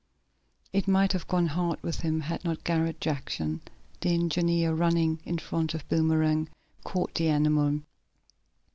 It might have gone hard with him, had not Garret Jackson, the engineer, running in front of Boomerang, caught the animal.